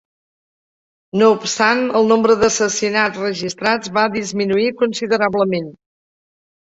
No obstant, el nombre d'assassinats registrats va disminuir considerablement.